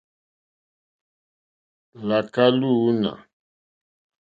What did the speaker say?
Láká lúǃúná.